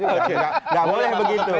nggak boleh begitu